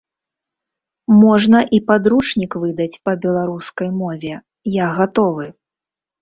Можна і падручнік выдаць па беларускай мове, я гатовы.